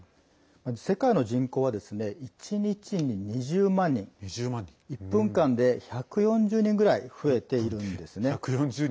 世界の人口は１日に２０万人１分間で１４０人ぐらい増えているんですね。